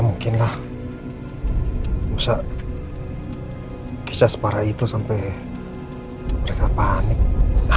pak ini udah mulai jalan gak perlu putar balik ya